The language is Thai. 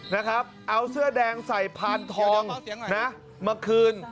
นะครับเอาเสื้อแดงใส่พานทองนะมาคืน